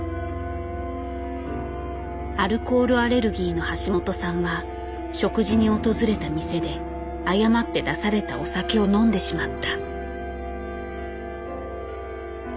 アルコールアレルギーの橋本さんは食事に訪れた店で誤って出されたお酒を飲んでしまった。